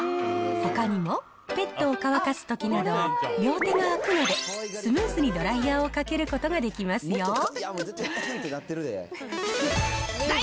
ほかにもペットを乾かすときなど、両手が空くので、スムーズにドライヤーをかけることができますよ。